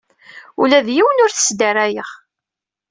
Ula d yiwen ur t-sdarayeɣ.